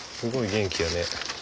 すごい元気やね。